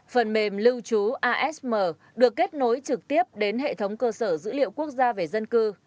phần mềm lưu trú asm được kết nối trực tiếp đến hệ thống cơ sở dữ liệu quốc gia về dân cư